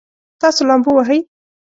تاسو لامبو وهئ؟